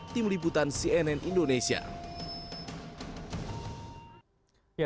tim liputan cnn indonesia